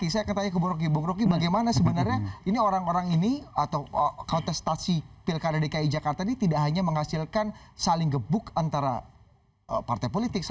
saya akan tanya ke bu rocky bung roky bagaimana sebenarnya ini orang orang ini atau kontestasi pilkada dki jakarta ini tidak hanya menghasilkan saling gebuk antara partai politik